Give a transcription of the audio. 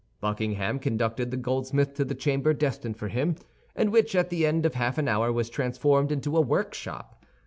Buckingham conducted the goldsmith to the chamber destined for him, and which, at the end of half an hour, was transformed into a workshop.